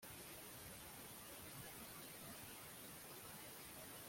Niba imvura itaguye reka dusohoke